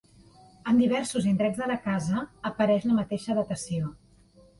En diversos indrets de la casa apareix la mateixa datació.